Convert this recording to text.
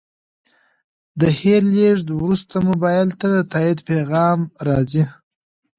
د هر لیږد وروسته موبایل ته د تایید پیغام راځي.